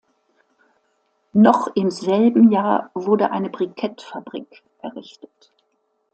Noch im selben Jahr wurde eine Brikettfabrik errichtet.